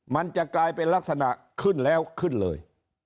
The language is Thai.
มันจะกลายเป็นลักษณะขึ้นแล้วขึ้นเลย